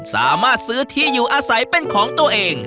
สามารถซื้อที่อยู่อาศัยเป็นของตัวเอง